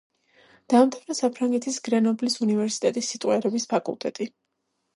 დაამთავრა საფრანგეთის გრენობლის უნივერსიტეტის სიტყვიერების ფაკულტეტი.